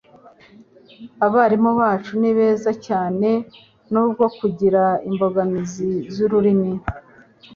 abarimu bacu ni beza cyane nubwo bagira imbogamizi z'ururimi